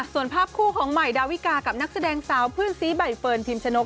ส่วนภาพคู่ของใหม่ดาวิกากับนักแสดงสาวเพื่อนซีใบเฟิร์นพิมชนก